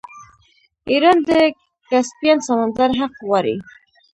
ایران د کسپین سمندر حق غواړي.